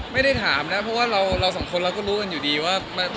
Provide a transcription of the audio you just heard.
ไม่ได้ถามนะเพราะว่าเราสองคนเราก็รู้กันอยู่ดีว่า